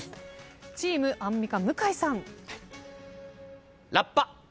チームアンミカ向井さん。